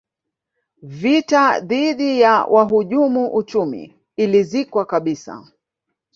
vita dhidi ya wahujumu uchumi ilizikwa kabisa